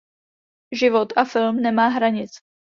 Život a film nemá hranic.